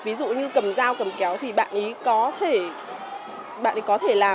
ví dụ như cầm dao cầm kéo thì bạn ấy có thể làm